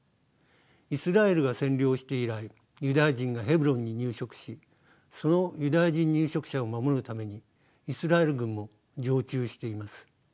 イスラエルが占領して以来ユダヤ人がヘブロンに入植しそのユダヤ人入植者を守るためにイスラエル軍も常駐しています。